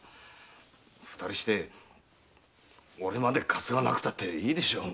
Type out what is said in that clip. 二人して俺までかつがなくてもいいでしょう。